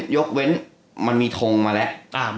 ยกเว้นมันมีทงมาแล้ว